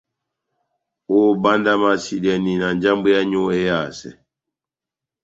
Óbandamasidɛni na njambwɛ yáwu éhásɛ.